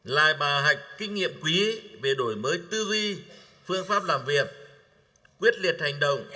lại bà hạch kinh nghiệm quý về đổi mới tư duy phương pháp làm việc quyết liệt hành động